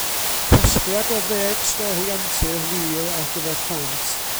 Casgliad o ddeg stori antur wir ar gyfer plant.